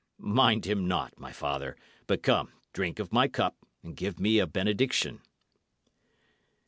Mind him not, my father; but come, drink of my cup, and give me a benediction."